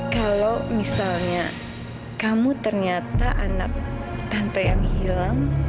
kalau misalnya kamu ternyata anak tante yang hilang